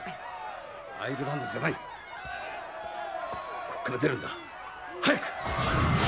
アイルランドじゃないこっから出るんだ早く！